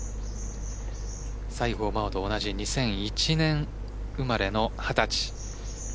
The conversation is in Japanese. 西郷真央と同じ２００１年生まれの二十歳。